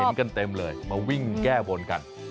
กันเต็มเลยมาวิ่งแก้บนกัน